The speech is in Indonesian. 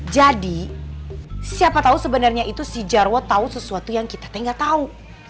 jadi siapa tahu sebenarnya itu si jarwo tahu sesuatu yang kita teh nggak tahu